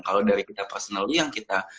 kalau dari kita personally yang kita